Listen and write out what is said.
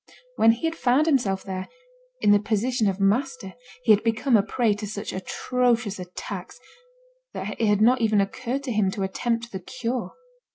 When he had found himself there, in the position of master, he had become a prey to such atrocious attacks, that it had not even occurred to him to attempt the cure.